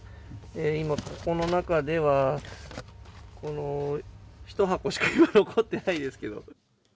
今、ここの中では、この１箱しか今、残ってないですけど。